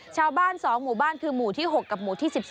ชาวบ้าน๒หมู่บ้านคือหมู่ที่๖กับหมู่ที่๑๒